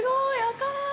赤い。